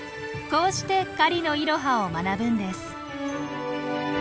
こうして狩りのイロハを学ぶんです。